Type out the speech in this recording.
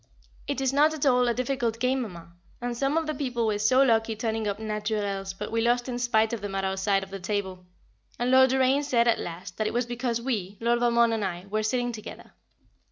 It is not at all a difficult game, Mamma, and some of the people were so lucky turning up "naturels," but we lost in spite of them at our side of the table, and Lord Doraine said at last, that it was because we Lord Valmond and I were sitting together.